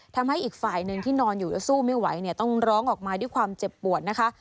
ทำให้อีกฝ่ายหนึ่งที่นอนอยู่แล้วสู้ไม่ไหวเนี่ยต้องร้องออกมาด้วยความเจ็บปวดนะคะ